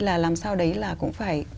là làm sao đấy là cũng phải